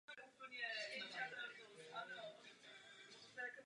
Bývá označován za posledního absolutního mistra světa v těžké váze.